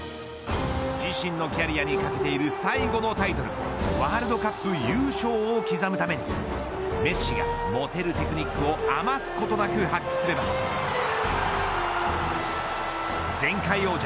自身のキャリアにかけている最後のタイトル、ワールドカップ優勝を刻むためメッシが持てるテクニックを余すことなく発揮する前回王者